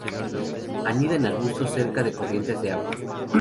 Anida en arbustos cerca de corrientes de agua.